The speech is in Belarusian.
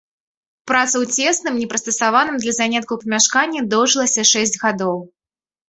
Праца ў цесным, непрыстасаваным для заняткаў памяшканні доўжылася шэсць гадоў.